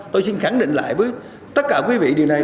tôi xin khẳng định lại với tất cả quý vị điều này